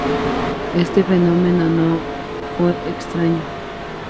Este fenómeno no fue extraño.